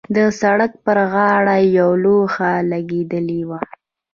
د سړک پر غاړې یوه لوحه لګېدلې وه.